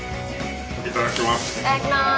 いただきます。